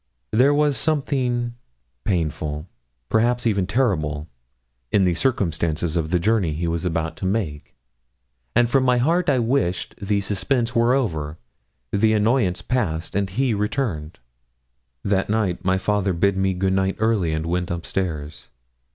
There was something painful, perhaps even terrible, in the circumstances of the journey he was about to make, and from my heart I wished the suspense were over, the annoyance past, and he returned. That night my father bid me good night early and went upstairs.